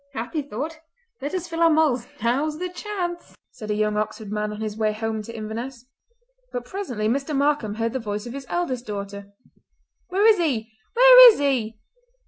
"Happy thought! Let us fill our mulls; now's the chance!" said a young Oxford man on his way home to Inverness. But presently Mr. Markam heard the voice of his eldest daughter. "Where is he? Where is he?"